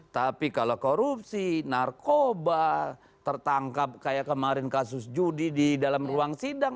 tapi kalau korupsi narkoba tertangkap kayak kemarin kasus judi di dalam ruang sidang